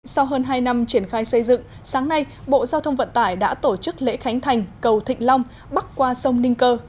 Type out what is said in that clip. sau hơn hai năm triển khai xây dựng sáng nay bộ giao thông vận tải đã tổ chức lễ khánh thành cầu thịnh long bắc qua sông ninh cơ